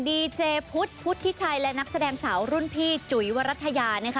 ดีเจพุทธพุทธิชัยและนักแสดงสาวรุ่นพี่จุ๋ยวรัฐยานะคะ